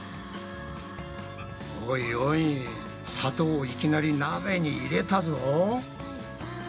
おいおい砂糖をいきなり鍋に入れたぞ。